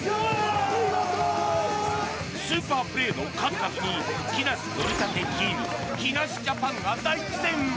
スーパープレーの数々に木梨憲武率いる木梨ジャパンが大苦戦。